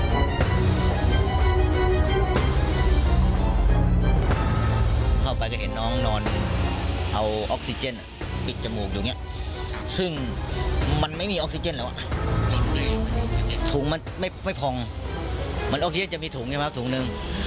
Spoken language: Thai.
เข้าไปจะเห็นน้องนอนเอาออกซิเจนปิดจมูกอยู่อย่างนี้ซึ่งมันไม่มีออกซิเจนแล้วอ่ะถุงมันไม่พองมันออกซิเจนจะมีถุงใช่ไหมถุงหนึ่ง